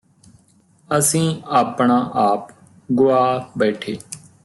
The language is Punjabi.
ਅਸੀਂ ਆਪਣਾ ਆਪ ਗੁਆ ਬੈਠੇ